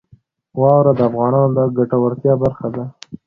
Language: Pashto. واوره د افغانانو د ګټورتیا برخه ده.